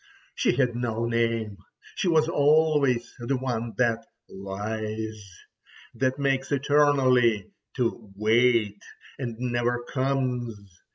She had no name, she was always the one that lies, that makes eternally to wait, and never comes.